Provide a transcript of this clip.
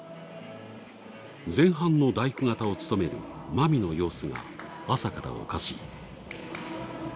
前半の大工方を務めるまみの様子が朝からおかしい。